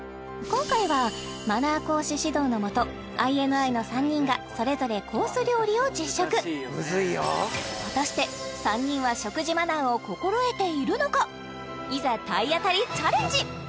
今回はマナー講師指導のもとＩＮＩの３人がそれぞれコース料理を実食果たして３人はいざ体当たりチャレンジ！